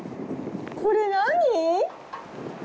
これ何？